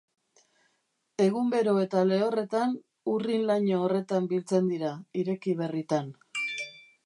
Egun bero eta lehorretan urrin-laino horretan biltzen dira, ireki berritan.